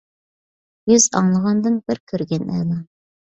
يۈز ئاڭلىغاندىن بىر كۆرگەن ئەلا.